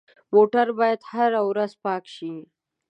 موټر باید هره ورځ پاک شي.